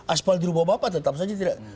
asfal dirubah bapak tetap saja